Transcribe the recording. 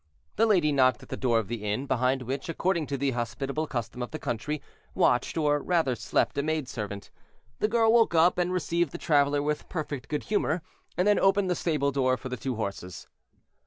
The lady knocked at the door of the inn, behind which, according to the hospitable custom of the country, watched, or rather slept, a maid servant. The girl woke up and received the traveler with perfect good humor, and then opened the stable door for the two horses.